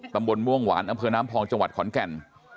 ตำบลม่วงหวานอำเภอน้ำพองจังหวัดขอนแก่น